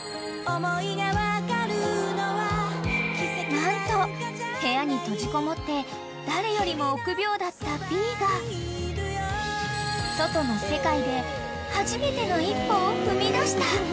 ［何と部屋に閉じこもって誰よりも臆病だったＢｅが外の世界で初めての１歩を踏みだした］